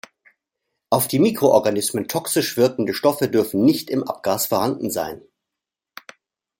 Auf die Mikroorganismen toxisch wirkende Stoffe dürfen nicht im Abgas vorhanden sein.